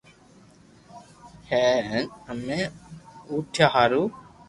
ھي ھين ھمي اوٺيا ھارو